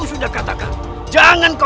siapa yang berlaku